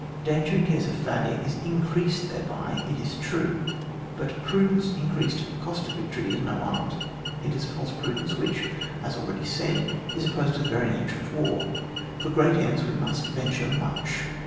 Danger in case of failure is in creased thereby, it is true ; but prudence increased at the cost of victory is no art ; it is a false prudence which, as already said, is opposed to the very nature of war; for great ends we must venture much.